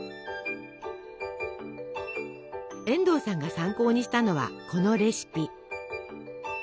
遠藤さんが参考にしたのはこのレシピ。